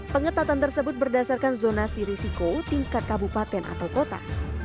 pengetatan tersebut berdasarkan zonasi risiko tingkat kabupaten atau kota